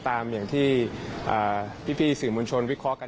อย่างที่พี่สื่อมวลชนวิเคราะห์กัน